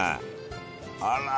あら！